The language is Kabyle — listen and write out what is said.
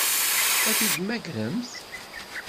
Ad t-id-temmagremt?